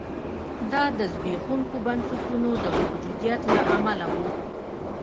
دا د زبېښونکو بنسټونو د موجودیت له امله و.